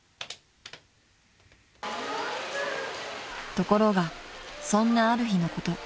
［ところがそんなある日のこと］